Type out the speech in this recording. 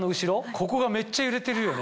ここがめっちゃ揺れてるよね。